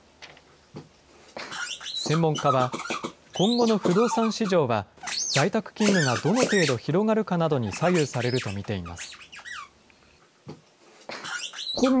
専門家は、今後の不動産市場は、在宅勤務がどの程度広がるかなどに左右されると見ています。